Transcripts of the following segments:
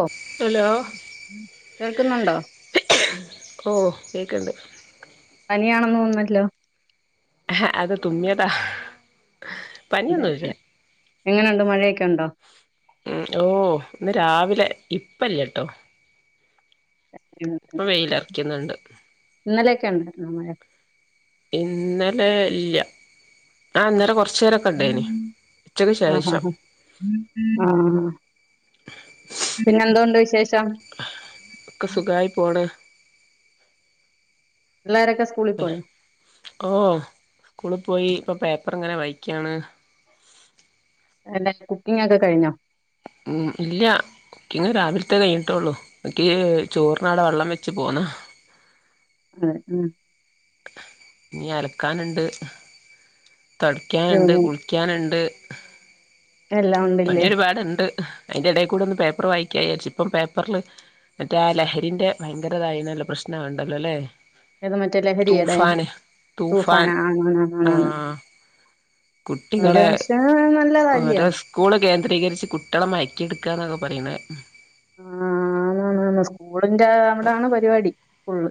ഓ hello കേൾക്കുന്നുണ്ടോ? ഓഹ്, കേക്ക്ണ്ട്. പനിയാണെന്ന് തോന്ന്ന്നല്ലോ? അഹ, അത് തുമ്മിയതാ. അതേ പനിയൊന്നുല്ല [unintelligible] എങ്ങനെണ്ട് മഴയെക്കെ ഉണ്ടോ? ഉം ഓഹ്, ഇന്ന് രാവിലെ ഇപ്പല്ല്യട്ടോ ഇപ്പൊ വെയിലെറ്ക്ക്ന്ന്ണ്ട്. ഇന്നലെക്കെ ഒണ്ടാരുന്നൊ മഴ? ഏയ് ഇല്ല്യ ആഹ് ഇന്നലെ കൊറ ആഹ് ആഹ് ആഹ് ആ പിന്നെ എന്തൊണ്ട് വിശേ ശേഷം ഒക്കെ സുഖായി പോണ് പിള്ളാരൊക്കെ സ്കൂളി പോയോ ഓ സ്കൂളിൽ പോയി ഇപ്പം പേപ്പർ ഇങ്ങനെ വായിക്യാണ് എന്താ കുക്കിംഗ് ഒക്കെ കഴിഞ്ഞോ? ഉം ഇല്ല്യാ കുക്കിംഗ് രാവിലത്തെ കഴിഞ്ഞിട്ടൊള്ളു യ്ക്ക് ചോറിനാടെ വെള്ളം വെച്ചു പോന്നാ അതെ ഉം ഇഞ്ഞി അലക്കാന്ണ്ട് തൊടക്കാന്ണ്ട് ജോലി കുളിക്കാന്ണ്ട് എല്ലാം പണി ഉണ്ടില്ലേ ഒര്പാട്ണ്ട് അയിൻ്റെ എടെകൂടെ ഒന്ന് പേപ്പർ വായിക്ക്യ വിചരിച്ചു ഇപ്പം പേപ്പറില് മറ്റേ ആ ലഹരിൻ്റെ ഭയങ്കര അതായിനല്ലോ പ്രശ്നം ആവ്ണ്ടല്ലോലെ ഏത് മറ്റേ ലഹരിയുടെ തൂഫാന തൂഫാൻ ആ ആണ് ആണ് ആണ് ആഹ് ഒരു കുട്ടികളെ വർഷാ ഓരോ സ്കൂള് കേന്ദ്രീകരിച്ച് കുട്ടികളെ മയക്കിയിട്ക്കാന്നാ പറയുന്നത് ആഹ നാന നമസ്- സ്കൂളിന്റെ അവിടാണ് പരിപാടി ഫുള്ള്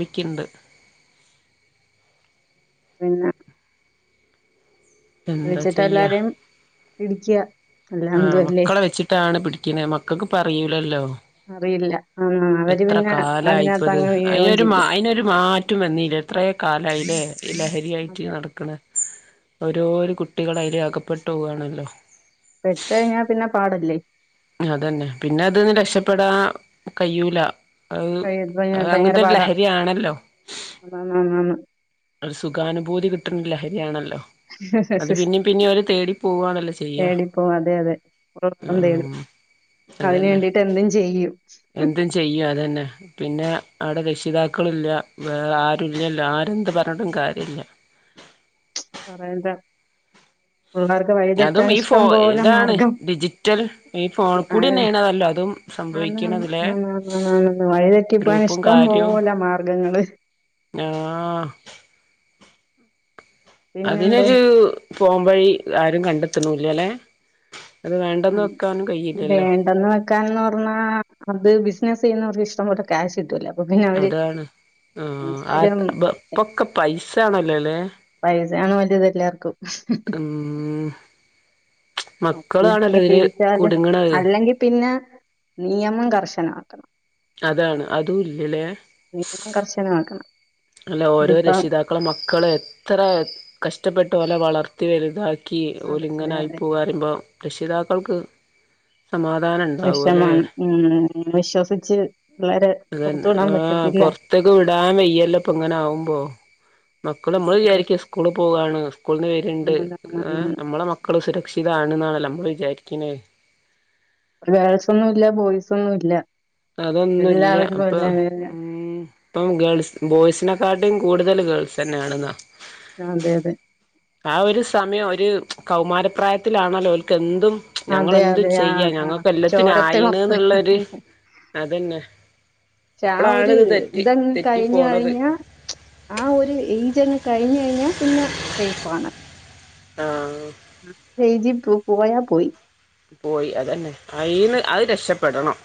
വിക്ക്ണ്ട് പിന്നെ എന്താ ചോദിച്ചിട്ട് ചെയ്യാ എല്ലാരും. ഇടിക്ക്യാ ആഹ് മക്കളെ വെച്ചിട്ടാണ് പിടിക്ക്ണേ മക്കൾക്കിപ്പറിയൂലല്ലോ അറിയില്ല. ആഹ് അവര് എത്ര പിന്നെ അതിനകത്ത് കാലായിപ്പത് അങ്ങ് വീഴുകയും അയിനൊരു ചെയ്യും. അയിനൊരു മാറ്റം വന്നില്ല എത്രേ കാലായില്ലേ? ലഹരിയായിട്ട് അതെ. നടക്ക്ണ് ഓരോരു കുട്ടികള് അതിൽ അകപ്പെട്ടു പോവാണല്ലോ? പെട്ട് കഴിഞ്ഞാ പിന്നെ പാടല്ലേ? അതന്നെ പിന്നെ അതീന്ന് രക്ഷപെടാൻ കഴിയൂല [unintelligible] ഭയങ്കര പാടാ ഉം ഒരു സുഖാനുഭൂതി കിട്ടുന്ന ലഹരിയാണ്. അത് പിന്നേം പിന്നേം അവര് തേടി പോവാണല്ലോ ചെയ്യാ തേടിപ്പോവും. അതെ അതെ. ഉറക്കം തേടും. ഉം അതിന് വേണ്ടിട്ട് എന്തും ചെയ്യും എന്തും ചെയ്യും അതന്നെ പിന്നെ അവിടെ രക്ഷിതാക്കളും ഇല്ല വേറെ ആരുല്ലല്ലോ ആരെന്ത് പറഞ്ഞിട്ടും കാര്യല്ല. പറയണ്ടേ അതും ഈ ഫോ ഇതാണ് മാർഗം ഡിജിറ്റൽ ഈ ഫോണിൽ കൂടി ആഹ് തന്നെയാണല്ലോ അതും ആന്നാന്ന് സംഭവിക്കണത് ലേ ആന്നാന്നാന്നാന്ന് വഴിതെറ്റിപ്പോവാൻ ഗ്രൂപ്പും ഇഷ്ടം കാര്യവും പോലെ മാർഗങ്ങള്. ആഹ് പിന്നെന്തോ അതിനൊരു പോംവഴി ആരും കണ്ടെത്തുണൂല്ല ലേ അത് വേണ്ടെന്ന് വെക്കാനും കയ്യില്ലല്ലോ. ക്കാന്ന് പർണാ അത് ബിസിനസ് ചെയ്യുന്നവർക്ക് ഇഷ്ടം പോലെ ക്യാഷ് കിട്ടൂല. അതാണ് ആഹ് ആ ഇപ്പൊക്കെ പൈസേണല്ലോ ലേ അതാണ് വലുത് എല്ലാർക്കും. ഉം മക്കളാണല്ലോ [unintelligible] ഇതില് പിടിച്ചാല് കുടുങ്ങണത് അല്ലെങ്കി പിന്നെ നിയമം കർശനാക്കണം അതാണ് അതൂ ഇല്ലല്ലേ നിയമം കർശനമാക്കണം അല്ല ഓരോ ഇതിപ്പം രക്ഷിതാക്കളും മക്കളെ എത്ര കഷ്ട്ടപ്പെട്ട് ട്ട് ഓല വളർത്തി വല്തായി ക്കി ഓൽ അതെ അതെ ഇങ്ങനായി അതെ പോകറയുമ്പോ രക്ഷിതാക്കൾക്ക് സമാധാനം ഉണ്ടാവല്ലെ വിഷമാണ് ഉം വിശ്വസിച്ച് പിള്ളേരെ പുറത്തു അതന്നെ വിടാൻ ആ പറ്റത്തില്ല പുറത്തെക്ക് വിടാൻ വയ്യല്ലോ ഇ അങ്ങനകുമ്പോ മക്കൾ അതെ നമ്മള് അതെ വിചാരിക്കും സ്കൂൾ പോവാണ് സ്കൂളിൽന്ന് വെര്ണ്ട് ആണാണ് ഏ ആണാണ് നമ്മളെ മക്കൾ സുരക്ഷിതാണ്ന്നാണല്ലോ നമ്മള് വിചാരികിനെ ഗെൾസോന്നും ഇല്ല, ബോയ്സോന്നും ഇല്ല. അതോന്നുല്ല എല്ലാവരും ഇപ്പം, എല്ലാവരും ഉം, ഇപ്പം, ഗേൾസ് ബോയ്സിനെക്കാ ട്ടിം, കൂടുതല് ഗെൾസെന്നെയാണെന്നാ. അതെ അതെ ആ ഒരു സമയം ഒരു കൗമാരപ്രായത്തിലാണല്ലോ ഓൽക്കെന്തും അതെ ഞങ്ങളെന്തും അതെ ആ ചെയ്യ. ആ ഞങ്ങക്ക് എല്ലത്തിനും ചോരത്തിളപ്പ് ആയിണ്ന്ന്ള്ളരു പക്ഷെ ആ ഒരു ഇത് തെറ്റി ഇതങ്ങ്, തെറ്റി കഴിഞ്, പോണത് കഴിഞ്ഞാ, ആ ഒരു ഏയ്ജങ്ങ്, കഴിഞ്, കഴിഞ്ഞാ, പിന്നെ സെയിഫാണ്. ആഹ്. മ് എയിജിപ്പോ പോയാ, പോയി. പോയി, അതന്നെ, അയിന്ന്, അത് രക്ഷ പെടണം.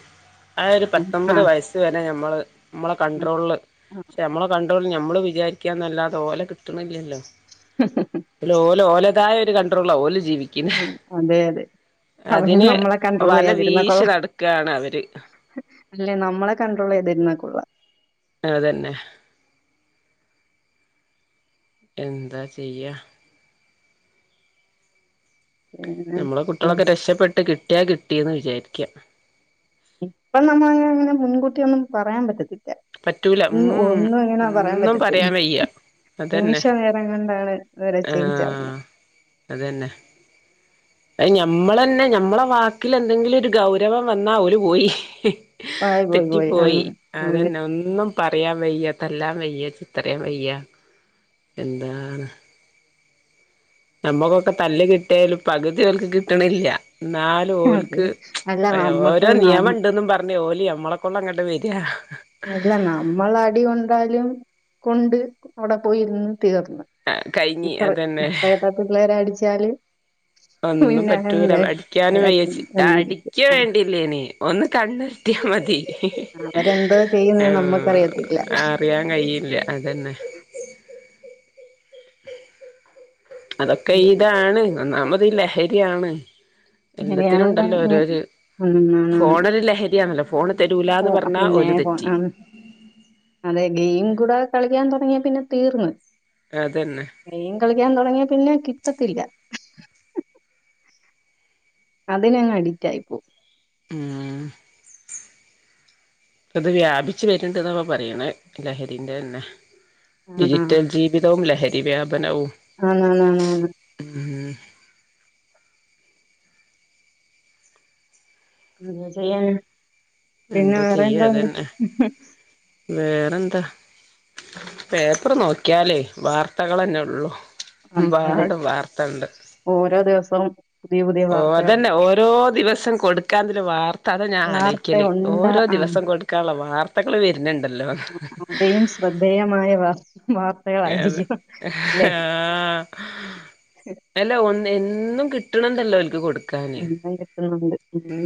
ആ ഒരു പത്തോമ്പത് ആഹ് വയസ്സ് വരെ ഞമ്മള് നമ്മളെ കൺട്രോളില്, പക്ഷെ നമ്മളെ കൺട്രോളില് ഞമ്മള് വി വിചാരിക്ക്യന്നല്ലാതെ ഓലെക്കിട്ടുണില്ലല്ലോ. തില്, ഓല്, ഓലതായ ഒരു ക ത്രല്ല ഓല് ജീവിക്കുന്നെ ഉം. അതെ, അതെ. അവര് അതിന് നമ്മളെ കണ്ട്രോൾ വല ചെയ്യാതിരുന്നാ വീശി, കൊള്ളാം നടക്കാണ് അവര്. അല്ലെ നമ്മളെ കണ്ട്രോളെയ്തിരുന്നകൊള്ളാം. അതെന്നെ. എന്താ ചെയ്യാ? പിന്നെ ഞമ്മളെ കുട്ട്യോളോക്കെ രക്ഷപ്പെട്ട് കിട്ടിയാ കി ട്ടിയന്ന് വിചാരിക്ക്യ. ഇപ്പം നമ്മളങ്ങനെ മുൻകൂട്ടി ഒന്നും പറയാൻ പറ്റത്തില്ല. പറ്റൂല ല്ല, ഉം, ഒന്നും അങ്ങന പറയാൻ ഒന്നും പറ്റത്തില്ല. വയ്യ അതന്നെ നിമിഷ നേരം കൊണ്ടാണ് ഇവര്ചെയ്ഞ്ചാവ്ന്നെ. ആഹ് അയിന് ഞമ്മളന്നെ ഞമ്മള വാക്കിലെന്തെങ്കിലും ഒരു ഗൗരവം വന്നാ ഓര് പോയി. പായ, പോയി, പോയി, ആ ഉം. പിന്നെ ഒന്നും പറയാൻ വയ്യാ തല്ലാൻ വയ്യ ചീത്ത പറയാൻ വയ്യാ എന്താണ് നമ്മുക്കൊക്കെ തല്ല് കിട്ടിയ പോലെ പകുതി അവൾക്ക് കിട്ടണില്ല എന്നാൽ അതെ ഓൾക്ക് അല്ല നമ്മക്ക് ഓരോ നിയമം നം- ഉണ്ടെന്നും പറഞ്ഞ് ഓല് നമ്മളെ കൊണ്ടങ്ങട്ട് വ യാ അല്ല നമ്മള് അടി കൊണ്ടാലും കൊണ്ട് അവിടെ പോയിരുന്ന് തീർന്ന് കഴിഞ്ഞി ഇപ്പ അതന്നെ ഇപ്പോഴത്തെ പിള്ളേരെ അടി ച്ചാല് ഒന്നും പറ്റൂല അടിക്കാനും വയ്യ എന്ത് അടിക്ക വേണ്ടിയില്ലേ ഇനി ഒന്ന് കണ്ടെത്തിയാ മതി അവരെന്തോ ചെയ്യുന്നത് നമ്മക്കറിയത്തില്ല. ആ അറിയാൻ കഴിയില്ല അത് തന്നേ അതൊക്കെ ഇതാണ് നന്നാവുമ്പോ ത് ലഹരിയാണ് എല്ലാത്തിനും ശരിയാണ് ഉണ്ടല്ലോ പറഞ്ഞെ. ഓരോര് ഫോണൊര് ലഹരിയാണല്ലോ ഫോണ് ഫോ തരൂലാന്ന് പറഞ്ഞാ പിന്നെ ഓല് തെറ്റി ഫോൺ അതെ ഗെയിം കൂടെ. കളിക്കാൻ തുടങ്ങിയ പിന്നെ തീർന്ന്. അതന്നെ ഗെയിം കളിക്കാൻ തുടങ്ങിയ പിന്നെ കിട്ടത്തില്ല. അതിന് അങ്ങ് അഡിറ്റ് ആയിപ്പോവും. ഉം അത് വ്യാപിച്ച വരുണ്ടെന്ന് പ പറയണ ലഹരിൻ്റെ തന്നെ. ഡിജിറ്റൽ ജീവിതവും അല്ലെ. [unintelligible] ആണണണ് ഉം എന്ത്‌ ചെയ്യാനാ. പിന്നെ എന്താ വേറെ ചെയ്യാ എന്തുണ്ട്. അതന്നെ വേറെന്താ പേപ്പർ നോക്കിയാലേ വാർത്തകൾ തന്നെയുള്ളൂ. അതെ അതെ ഓരോ ദിവ സം ഓ അതന്നെ ഓരോ ദിവസം കൊടുക്കാന്തെലും വാർ ത്ത ഞാൻ വാർത്ത അലോയിക്കല് ഉണ്ടാ ഓരോ ദിവസം കൊടുക്കാനുള്ള വാർ ത്തകളെ അതയും ശ്രദ്ധേയമായവ- അത ആഹ് എല്ല ഒ- എന്നും കിട്ടണണ്ടല്ലോ അവൽ ക്ക് കൊടു ക്കാന് എണ്ണ കിട്ടുന്നുണ്ട്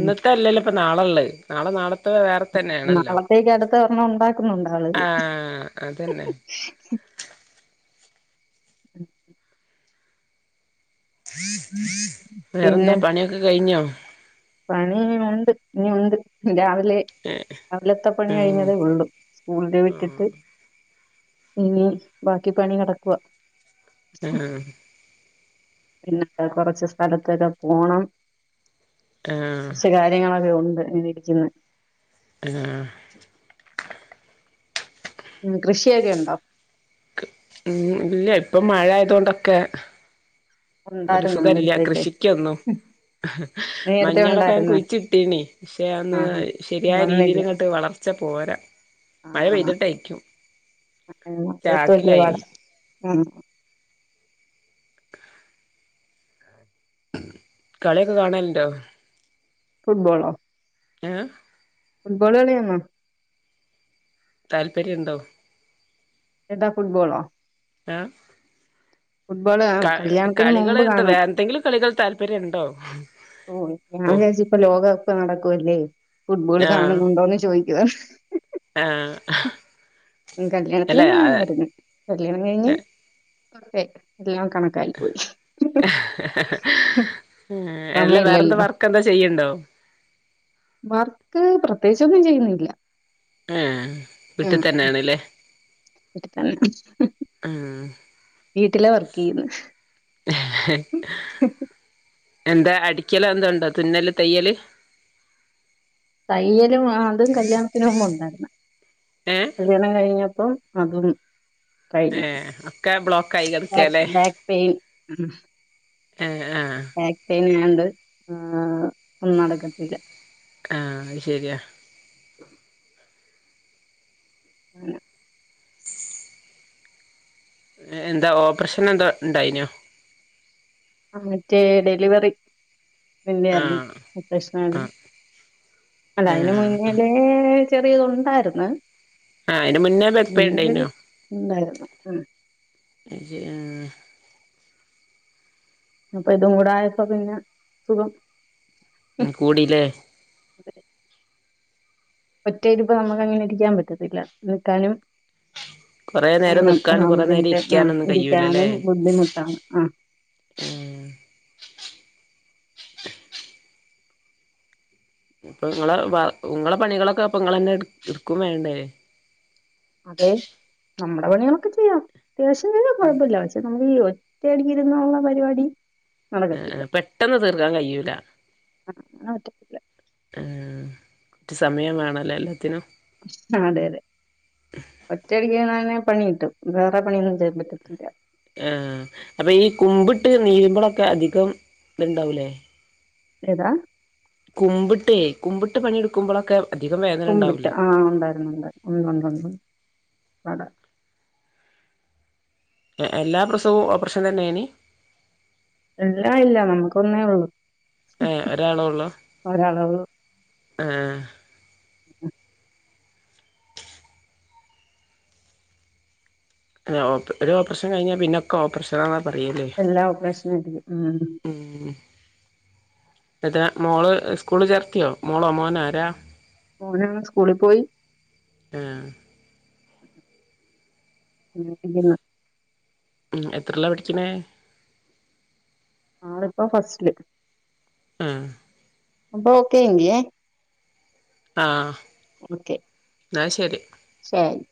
ഉം. അല്ലെല്ലപ്പ നാളെള്ളെ നാളെ നാളത്ത വേറെ തന്നെയാണല്ലോ. നാളത്തേക്ക് അടുത്ത ഒരെണ്ണം ഉണ്ടാക്കുന്നുണ്ട് ആളുകള് ആഹ് അതന്നെ. [unintelligible] ഉം വേറെന്താ പണിയൊക്കെ കഴിഞ്ഞോ. പണീനി ഒണ്ട് നീ ഒണ്ട് രാവി ലെ രാവിലത്തെ പണി ഉം കഴിഞ്ഞതേ ഒള്ളു സ്കൂളില് വിട്ടിട്ട് ഇനി ബാക്കി പണി കിടക്കുവ. ആഹ് പിന്നെ കൊറച്ച് സ്ഥലത്തൊക്കെ പോണം. ആഹ് ച്ച് കാര്യങ്ങളൊക്കെ ഒ [unintelligible] ആഹ് ഉം കൃഷിയൊക്കെ ഒണ്ടോ? ഉം ഇല്ല ഇപ്പൊ മഴ ആയതൊണ്ടൊക്കെ ഒരു ഉണ്ടായിരുന്നു സുഖല്ല്യ നേരത്തെ കൃഷിക്കൊന്നും നേരത്തെ മഞ്ഞളൊക്കെ ഞാൻ ഉണ്ടായിരുന്നു കുഴിച്ചിട്ടീനി പക്ഷെ അതൊന്ന് ആഹാ ശരിയായ രീതില് വന്നില്ല അങ്ങട്ട് വളർച്ച പോരാ. ആ മഴ പെയ്തിട്ടായ്ക്കും രാ [unintelligible] ആഹ് കളിയൊക്കെ കാണലുണ്ടോ. ഫുട്ബോളോ? ഏഹ് ഫുട്ബോള് കളിയാണോ താല്പര്യണ്ടോ? എതാ ഫുട്ബോളോ. ആഹ് ഫുട്ബോള് ആ, ക കല്യാണത്തിന് കളികള് മുമ്പ് എന്താ കാണും വേന്തെങ്കിലും കളികൾ താല്പര്യംണ്ടോ? ഓ ഞാൻ വിചാരിച്ച് ഇപ്പ ലോകകപ്പ് നടക്കുവല്ലേ. ഫുട്ബോൾ ആഹ് കാണുന്നുണ്ടോന്ന് ചോയ് ആഹ് [unintelligible] കല്യാണത്തിന് അല്ല മുമ്പ് കാണുവാരുന്നു കല്യാണം കഴിഞ്ഞ് ഓക്കെ എല്ലാം കണക്കായി പോയി. അല്ല വേറെന്താ സമയല്ലല്ലോ വർക്ക് എന്താ ചെയ്യണ്ടോ വർക്ക് പ്രത്യേകി ച്ച് ഒന്നും ചെയ്യുന്നില്ല. ആ വീട്ടു തന്നെയാണല്ലേ എടുത്ത [unintelligible] ആ വീട്ടിലെ വർക്ക് ചെയ്യുന്നു എന്താ അടിക്കല് എന്തണ്ടോ തുന്നല് തയ്യല് തയ്യലും അതും കല്യാണത്തിന് മുൻപ് ഉണ്ടായിരുന്നു ഏഹ് കല്യാണം കഴിഞ്ഞപ്പം അതും കഴിഞ്ഞു ഏ ഒക്കെ ബ്ലോക്ക് ആയി ബാക്ക് കെടക്കൂല്ലേ ആതന [unintelligible] ആ ഒന്നുംനടക്കത്തില്ല ആ അത് ശരിയാ ആ [unintelligible] എന്താ ഓപ്പറേഷൻ എന്താ ഉണ്ടായിനോ ആ മറ്റേ ഡെലിവറി വന്നതായിരുന്നു ആഹ് പ്രശ്നമായിരുന്നു ആഹ് അല്ല അതിന് ആഹ് ആഹ് മുന്നിലേ ചെറിയത് ഉണ്ടായിരുന്ന് ആഹ് അതിന് മുന്നേ ന ബാക്ക് പെയിൻ ഉണ്ടായിനോ [unintelligible] ഉന്നായിരുന്നു ഉ [unintelligible] ആ അപ്പൊ ഇതും കൂടായപ്പോ പിന്നെ സുഖം കൂടിലേ? ഒറ്റതിപ്പ നമുക്ക് അങ്ങനെ ഇരിക്കാൻ പറ്റത്തില്ല നിൽക്കാനും കൊറേ നേരം ആ ആഹ നിക്കാനും കൊറേ നേരം ബുദ്ധിമുട്ട് ആഹ ഇരിക്കാനൊന്നും കഴിയൂലല്ലേ ഇരിക്കാനും ബുദ്ധിമുട്ടാണ്. ആഹ ഏഹ് ഇപ്പൊ നിങ്ങളെ ഉങ്ങളെ പണികളൊക്കെ അപ്പ നിങ്ങളന്നെ എടുക്കും വേണ്ടേ? നമ്മുടെ പണികളൊക്കെ ചെയ്യാം. [unintelligible] അ ഒറ്റയടിക്കിരുന്നള്ള പരിപാടി നടക്കത്തില്ല. പെട്ടെന്ന് തീർക്കാൻ കഴൂല. അങ്ങനെ പറ്റത്തില്ല. കുറ്റ സമയം വേണല്ലോ എല്ലാത്തിനും. അതെ അതെ ഒറ്റയടിക്ക് പണിയിട്ടും വേറെ പണിയൊന്നും ചെയ്യാൻ പറ്റത്തില്ല ആഹ അപ്പൊ ഈ കുമ്പിട്ട് നീരുമ്പളൊക്കെ അധികം ഇത്ണ്ടാവൂലേ? ഏതാ? കുമ്പിട്ടേ കുമ്പിട്ട് പണിയെടുക്കുമ്പോളൊക്കെ കുമ്പിട്ട് ആഹ ഉണ്ടായിരുന്നുണ്ട് ഉണ്ട്ുണ്ട് ഉണ്ട്ണ്ട് പട എല്ലാ പ്രസവും ഓപ്പറേഷൻ തന്നെയായിന് എല്ല ഇല്ല നമ്മുക്ക് ഒന്നേ ഉള്ളൂ ഏ ഒരാളേ ഉള്ളു ഒരാളെ ഉള്ളൂ ആഏ ഉ അല്ലഓ ഒരു ഓപ്പറേഷൻ കഴിഞ്ഞാൽ പിന്നെ ഒക്ക ഓപ്പറേഷന എല്ലാ ഓപ്പറേഷനും ഇരിക്കും ഉ താ മോള് സ്കൂള് ചേർത്തിയോ മോളോ മോന ആരാ ഓന സ്കൂളിൽ പോയി ആഹ് പിതിില എത്രല്ലാ പടിക്കണേ ആള ഇപ്പ ഫസ്ില് ആഹ അപ്പൊ ഓക്കെ ഇങ്കിയ ആഹ ഓക്കെ ശരി